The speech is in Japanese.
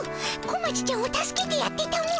小町ちゃんを助けてやってたも。